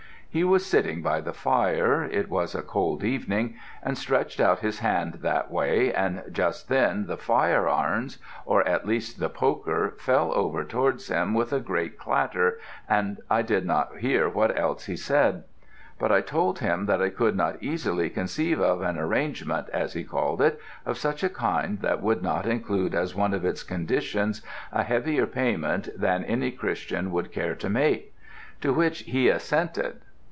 "He was sitting by the fire it was a cold evening and stretched out his hand that way, and just then the fire irons, or at least the poker, fell over towards him with a great clatter, and I did not hear what else he said. But I told him that I could not easily conceive of an arrangement, as he called it, of such a kind that would not include as one of its conditions a heavier payment than any Christian would care to make; to which he assented.